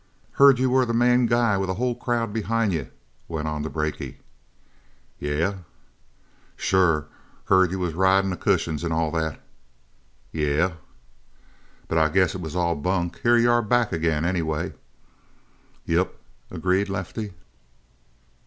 "Heard you were the main guy with a whole crowd behind you," went on the brakie. "Yeh?" "Sure. Heard you was riding the cushions, and all that." "Yeh?" "But I guess it was all bunk; here you are back again, anyway." "Yep," agreed Lefty.